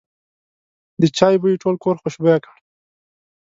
د چای بوی ټول کور خوشبویه کړ.